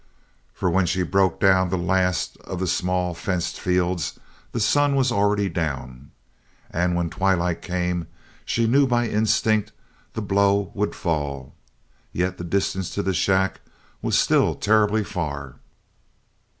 For when she broke down the last of the small fenced fields the sun was already down. And when twilight came, she knew by instinct, the blow would fall. Yet the distance to the shack was still terribly far.